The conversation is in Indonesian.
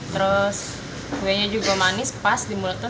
terus kuenya juga manis pas di mulut tuh